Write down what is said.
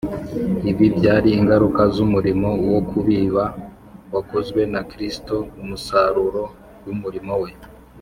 . Ibi byari ingaruka z’umurimo wo kubiba wakozwe na Kristo, umusaruro w’umurimo we.